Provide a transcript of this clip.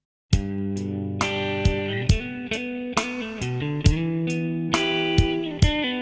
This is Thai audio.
อินโทรเพลงแบบนี้มีมูลค่า๒แสนบาท